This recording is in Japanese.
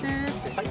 はい。